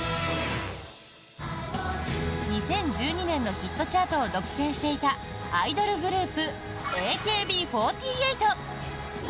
２０１２年のヒットチャートを独占していたアイドルグループ、ＡＫＢ４８。